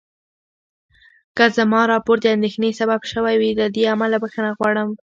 که زما راپور د اندېښنې سبب شوی وي، له دې امله بخښنه غواړم.